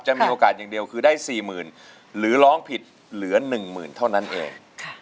มีโอกาสอย่างเดียวคือได้๔๐๐๐หรือร้องผิดเหลือ๑หมื่นเท่านั้นเอง